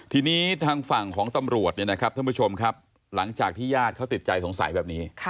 ทีนี้ทางฝั่งของตำรวจเนี่ยนะครับท่านผู้ชมครับหลังจากที่ญาติเขาติดใจสงสัยแบบนี้